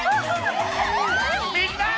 みんな！